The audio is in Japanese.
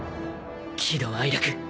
喜怒哀楽